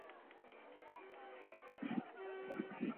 殿试登进士第三甲第一百四十六名。